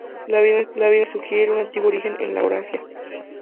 La evidencia fósil sugiere un antiguo origen en Laurasia.